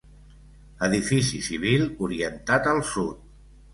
Edifici civil orientat al sud.